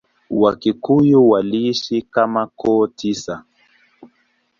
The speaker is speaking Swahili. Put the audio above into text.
Wakikuyu waliishi kama koo tisa.